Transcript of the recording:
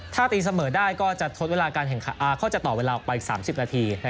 ถ้าตีเสมอได้ก็จะต่อเวลาออกไปอีก๓๐นาที